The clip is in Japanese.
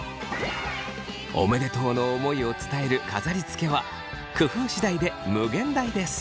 おめでとうの思いを伝える飾りつけは工夫次第で無限大です。